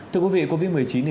thưa quý vị covid một mươi chín